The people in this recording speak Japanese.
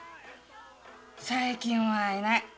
最近はいない。